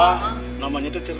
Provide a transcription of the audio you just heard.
nah abah namanya itu cerdas